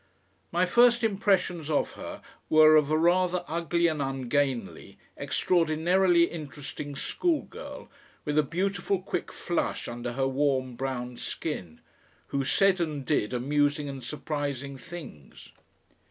My first impressions of her were of a rather ugly and ungainly, extraordinarily interesting schoolgirl with a beautiful quick flush under her warm brown skin, who said and did amusing and surprising things.